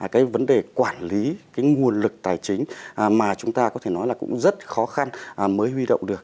cái vấn đề quản lý cái nguồn lực tài chính mà chúng ta có thể nói là cũng rất khó khăn mới huy động được